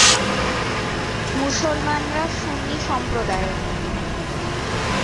মুসলমানরা সুন্নী সম্প্রদায়ের।